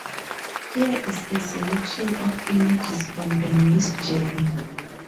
Here is a selection of images from the Ms. Germ.